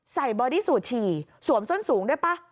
ใส่บอดี้สูดฉี่สวมส้นสูงได้ป่ะ